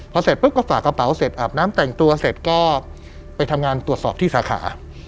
พอเสร็จปุ๊บก็ฝากกระเป๋าเสร็จอาบน้ำแต่งตัวเสร็จก็ไปทำงานตรวจสอบที่สาขา